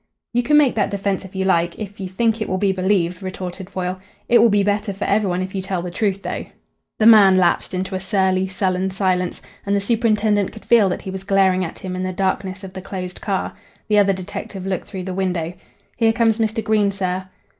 "You can make that defence if you like if you think it will be believed," retorted Foyle. "It will be better for every one if you tell the truth, though." The man lapsed into a surly, sullen silence, and the superintendent could feel that he was glaring at him in the darkness of the closed car. The other detective looked through the window. "Here comes Mr. Green, sir."